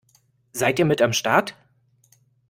Seid ihr mit am Start?